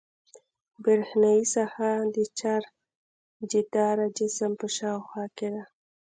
برېښنايي ساحه د چارجداره جسم په شاوخوا کې ده.